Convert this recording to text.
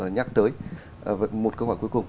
nhắc tới một câu hỏi cuối cùng